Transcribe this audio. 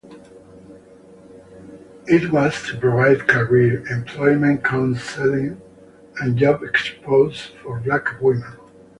It was to provide career, employment counseling, and job exposure for black women.